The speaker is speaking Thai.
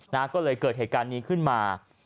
ก็เลยเกิดเหตุการณ์นี้ขึ้นมา